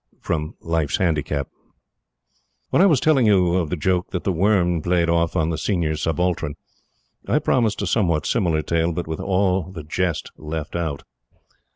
Life's Handicap. When I was telling you of the joke that The Worm played off on the Senior Subaltern, I promised a somewhat similar tale, but with all the jest left out.